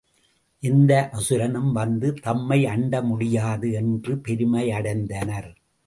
எந்த அசுரனும் வந்து தம்மை அண்ட முடியாது என்று பெருமை அடைந்தனர்.